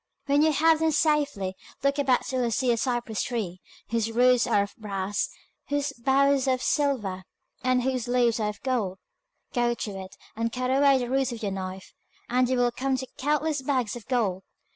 When you have them safely, look about till you see a cypress tree, whose roots are of brass, whose boughs are of silver, and whose leaves are of gold. Go to it, and cut away the roots with your knife, and you will come to countless bags of gold.